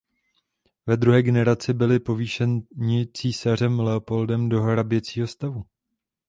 Ve druhé generaci byli povýšeni císařem Leopoldem do hraběcího stavu.